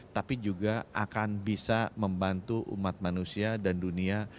tapi juga akan bisa membantu umat manusia dan dunia